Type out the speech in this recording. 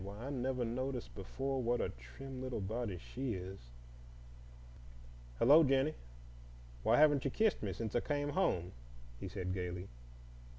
Why, I never noticed before what a trim little body she is. Hello, Jennie! Why, you haven't kissed me since I came home," he said gaily.